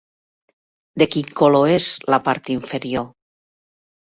De quin color és la part inferior?